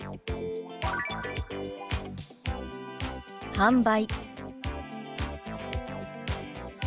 「販売」。